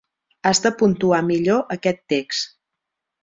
Has de puntuar millor aquest text.